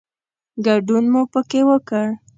ګډون مو پکې وکړ.